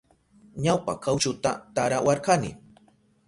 Ñawpa kawchuta tarawarkani.